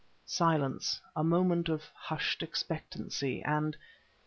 Silence, a moment of hushed expectancy, and